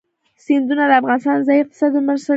سیندونه د افغانستان د ځایي اقتصادونو بنسټ دی.